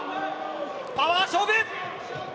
パワー勝負。